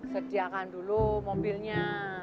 sediakan dulu mobilnya